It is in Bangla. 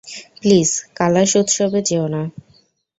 প্লিজ, কালাশ উৎসবে যেও না।